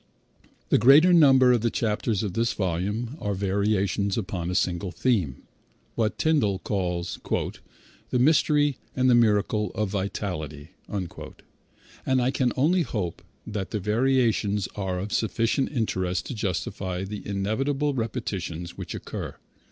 The greater number of the chapters of this volume are variations upon a single theme, what Tyndall called "the mystery and the miracle of vitality," and I can only hope that the variations are of sufficient interest to justify the inevitable repetitions which occur.